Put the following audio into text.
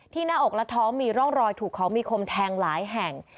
หน้าอกและท้องมีร่องรอยถูกของมีคมแทงหลายแห่ง